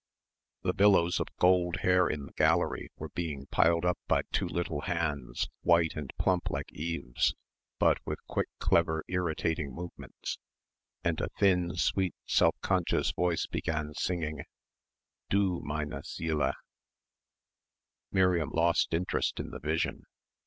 The billows of gold hair in the gallery were being piled up by two little hands white and plump like Eve's, but with quick clever irritating movements, and a thin sweet self conscious voice began singing "Du, meine Seele." Miriam lost interest in the vision....